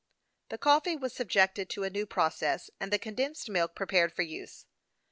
The coffee was subjected to a new process, and the condensed milk prepared for use.